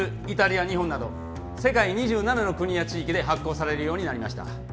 イタリア日本など世界２７の国や地域で発行されるようになりました